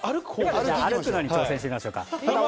歩くことに挑戦してみましょうか。